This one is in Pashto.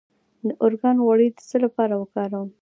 د ارګان غوړي د څه لپاره وکاروم؟